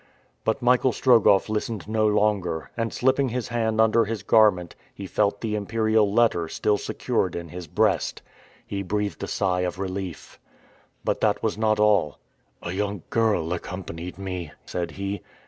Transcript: But Michael Strogoff listened no longer, and slipping his hand under his garment he felt the imperial letter still secured in his breast. He breathed a sigh of relief. But that was not all. "A young girl accompanied me," said he.